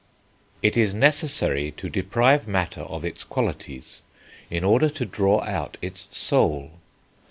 "It is necessary to deprive matter of its qualities in order to draw out its soul....